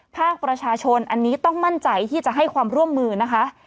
ภาคประชาชนอันนี้ต้องมั่นใจที่จะให้ความร่วมมือนะคะ